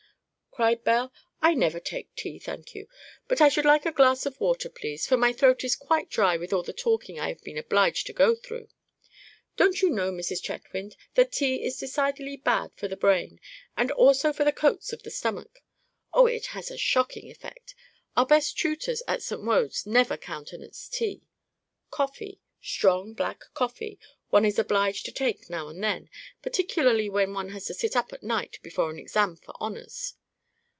cried Belle. "I never take tea, thank you; but I should like a glass of water, please, for my throat is quite dry with all the talking I have been obliged to go through. Don't you know, Mrs. Chetwynd, that tea is decidedly bad for the brain, and also for the coats of the stomach. Oh, it has a shocking effect. Our best tutors at St. Wode's never countenance tea. Coffee, strong black coffee, one is obliged to take now and then, particularly when one has to sit up at night before an exam. for honors.